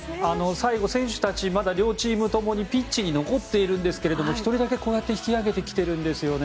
最後、選手たちまだ両チーム共にピッチに残っているんですが１人だけ引き揚げてきているんですよね。